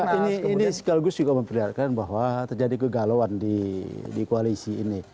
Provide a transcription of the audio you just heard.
nah ini kemudian sekaligus juga memperlihatkan bahwa terjadi kegalauan di koalisi ini